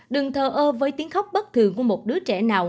đừng thờ ơ với tiếng khóc bất thường của một đứa trẻ nào